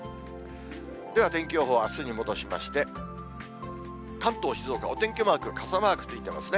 では、天気予報をあすに戻しまして、関東、静岡、お天気マーク、傘マークついてますね。